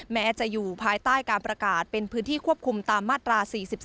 แม้จะอยู่ภายใต้การประกาศเป็นพื้นที่ควบคุมตามมาตรา๔๔